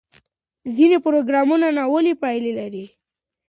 ځینې پروګرامونه ناوړه پایلې لري.